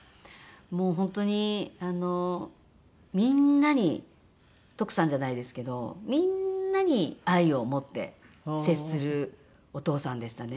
もう本当にみんなに徳さんじゃないですけどみんなに愛を持って接するお父さんでしたね。